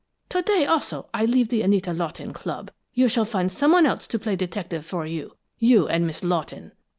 To day, also, I leave the Anita Lawton Club. You shall find some one else to play detective for you you and Miss Lawton!"